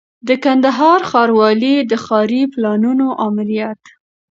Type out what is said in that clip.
د کندهار ښاروالۍ د ښاري پلانونو آمریت